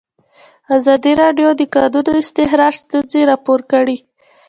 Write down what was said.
ازادي راډیو د د کانونو استخراج ستونزې راپور کړي.